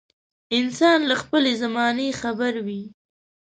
انسان له خپلې زمانې خبر وي.